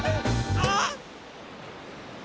あっ。